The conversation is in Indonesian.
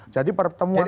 jadi pertemuan itu